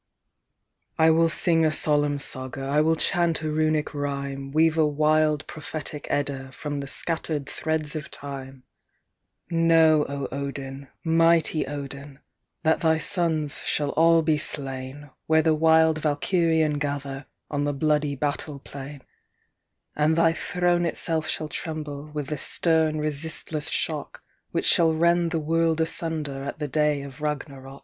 "I will sing a solemn Saga, I will chant a Runic rhyme, Weave a wild, prophetic Edda, From the scattered threads of time : Know, O Odin, mighty Odin, That thy sons shall all be slain, Where the wild Vnlkyrien gather, On the bloody battle plain ; And thy throne itself shall tremble 10* 114 POEMS FROM THE INNER LIF::. With the stern, resistless shock, Which shall rend the world asunder At the day of Ragnaroc.